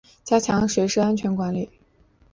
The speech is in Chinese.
加强学生安全管理